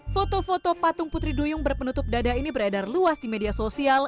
foto foto patung putri duyung berpenutup dada ini beredar luas di media sosial